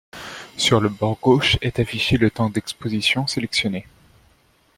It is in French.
Sur le bord gauche est affiché le temps d'exposition sélectionné.